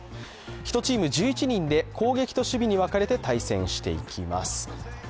１チーム１１人で攻撃と守備に分かれて対戦していきます。